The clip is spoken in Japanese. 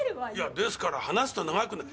ですから話すと長くなる。